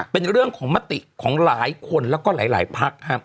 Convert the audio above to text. เป็นเรื่องของมติของหลายคนแล้วก็หลายพัก